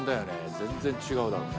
全然違うだろうね。